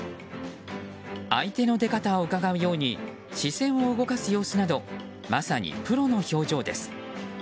相手の出方をうかがうように視線を動かす様子などまさにプロの表情です。